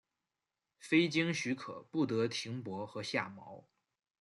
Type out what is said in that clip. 非经许可不得停泊和下锚。